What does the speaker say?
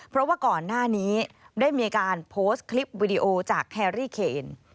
เพราะว่าก่อนหน้านี้ได้มีการโพสต์คลิปวิดีโอจากแฮรี่เคน